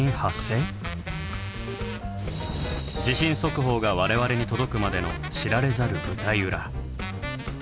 地震速報がわれわれに届くまでの知られざる舞台裏。